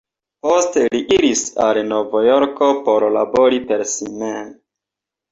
Poste li iris al Novjorko por labori per si mem.